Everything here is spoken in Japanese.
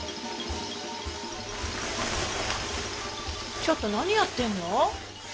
ちょっと何やってんの！